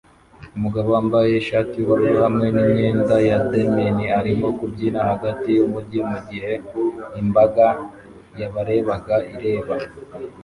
Umugabo wambaye ishati yubururu hamwe n imyenda ya denim arimo kubyina hagati yumujyi mugihe imbaga yabarebaga ireba